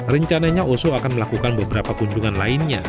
rencananya oso akan melakukan beberapa kunjungan lainnya